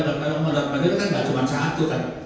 kalau yang moda moda kan tidak cuma satu kan